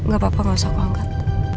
gapapa gak usah aku angkat